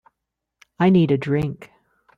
I need a drink.